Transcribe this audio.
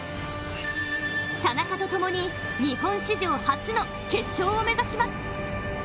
田中と共に日本史上初の決勝を目指します。